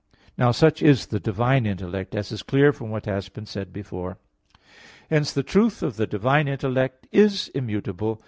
Now such is the divine intellect, as is clear from what has been said before (Q. 14, A. 15). Hence the truth of the divine intellect is immutable.